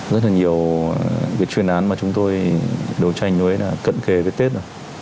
rất là nhiều cái chuyên án mà chúng tôi đấu tranh với là cận kề với tết rồi